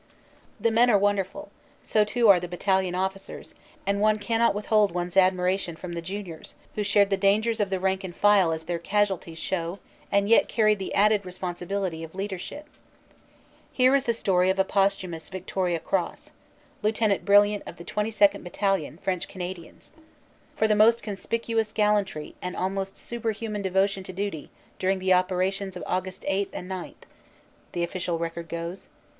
The men are wonderful; so too are the battalion officers, and one cannot withhold one s admiration from the juniors, who shared the dangers of the rank and file as their casualties show and yet carried the added responsibility of leader ship. Here is the story of a posthumous V. C., Lieut. Brill ant of the 22nd. Battalion, French Canadians: "For the most conspicuous gallantry and almost superhuman devotion to duty during the operations of Aug 8 and 9," the official record goes.